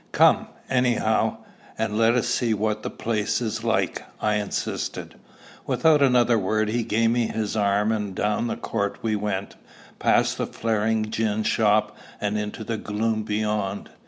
"Come, anyhow, and let us see what the place is like," I insisted. Without another word he gave me his arm, and down the court we went, past the flaring gin shop, and into the gloom beyond.